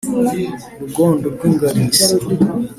rugondo rw’ingarisi